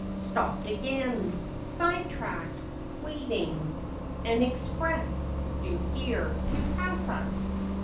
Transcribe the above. Stopped again! side tracked, waiting^ An "express" due here, to pass us.